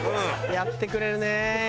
やってくれる。